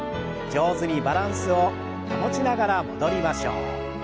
上手にバランスを保ちながら戻りましょう。